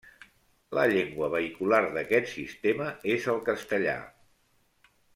La llengua vehicular d'aquest sistema és el castellà.